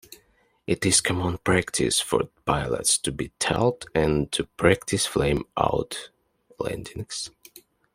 It is common practice for pilots to be taught and to practice flameout landings.